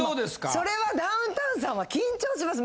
それはダウンタウンさんは緊張します。